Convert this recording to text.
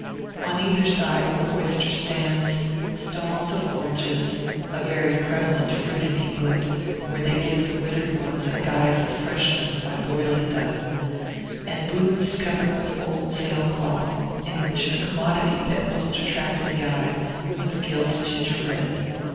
On either side were oyster stands, stalls of oranges (a very prevalent fruit in England, where they give the withered ones a guise of freshness by boiling them), and booths covered with old sail cloth, in which the commodity that most attracted the eye was gilt gingerbread.